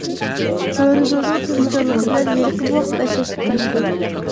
ھۆرىگۈلنىڭ تىرىشچانلىقى بىلەن ھېلىقى بوۋاق بەش ياشقا كىرىپتۇ.